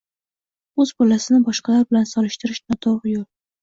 O‘z bolasini boshqalar bilan solishtirish no'to'g'ri yo'l.